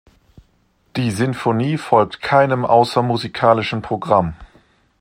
Die Sinfonie folgt keinem außermusikalischen Programm.